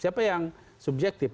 siapa yang subjektif